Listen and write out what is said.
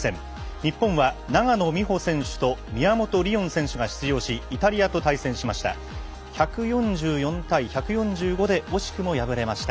日本は永野美穂選手と宮本リオン選手が出場しイタリアと対戦しました。